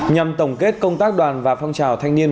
nhằm tổng kết công tác đoàn và phong trào thanh niên